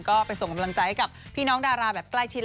ก็ไปส่งกำลังใจให้กับพี่น้องดาราแบบใกล้ชิด